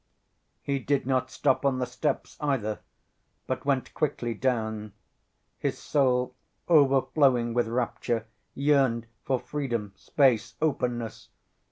He did not stop on the steps either, but went quickly down; his soul, overflowing with rapture, yearned for freedom, space, openness.